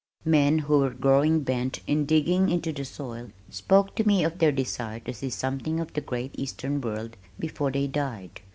Men who were growing bent in digging into the soil spoke to me of their desire to see something of the great eastern world before they died.